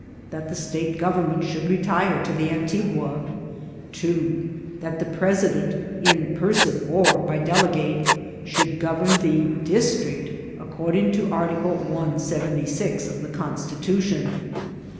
That the state government should retire lo the Antigua. 3. That the president, in penon or by delegate, should govern the dtstrtd according to article 176 of the Constitution.